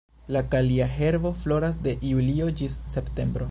La kalia herbo floras de julio ĝis septembro.